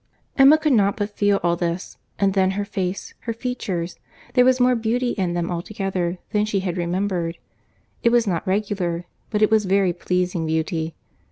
Emma could not but feel all this; and then, her face—her features—there was more beauty in them altogether than she had remembered; it was not regular, but it was very pleasing beauty.